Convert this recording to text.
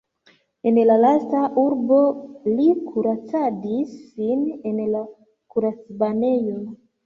En la lasta urbo li kuracadis sin en la kuracbanejo.